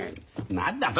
何だと？